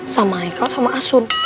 sama michael sama asun